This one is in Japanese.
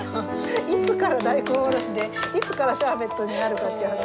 いつから大根おろしでいつからシャーベットになるかっていう話？